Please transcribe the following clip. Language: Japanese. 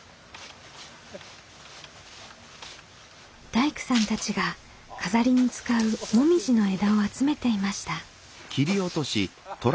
大工さんたちが飾りに使うモミジの枝を集めていました。